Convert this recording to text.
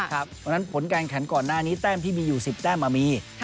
เพราะฉะนั้นผลการขันก่อนหน้านี้แต้มที่มีอยู่๑๐แต้มมี